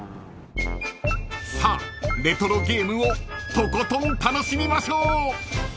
［さあレトロゲームをとことん楽しみましょう］